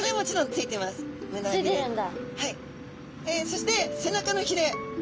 そして背中のひれ